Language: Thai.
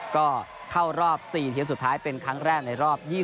ก็เข้ารอบ๔ทีมสุดท้ายเป็นครั้งแรกในรอบ๒๐